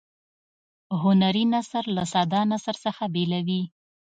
هنري نثر له ساده نثر څخه بیلوي.